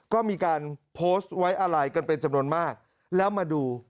ก็มีการโพสต์ไว้อะไรกันเป็นจำนวนมากแล้วมาดู